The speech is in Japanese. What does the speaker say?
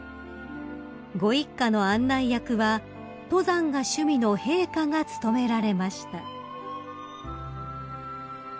［ご一家の案内役は登山が趣味の陛下が務められました］